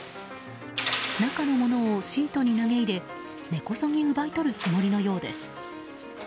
中のものをシートに投げ入れ根こそぎ奪い取るつもりのようです。